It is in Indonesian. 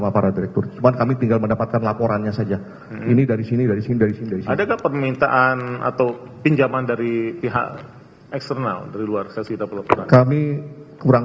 pak idil yang bisa menjelaskan